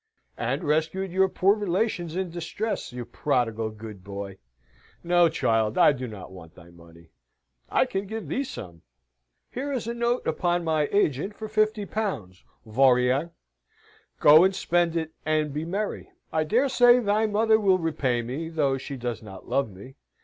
"And rescued your poor relations in distress, you prodigal good boy. No, child, I do not want thy money. I can give thee some. Here is a note upon my agent for fifty pounds, vaurien! Go and spend it, and be merry! I dare say thy mother will repay me, though she does not love me."